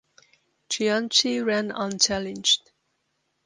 Cianci ran unchallenged.